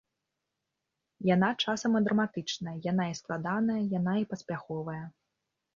Яна часам і драматычная, яна і складаная, яна і паспяховая.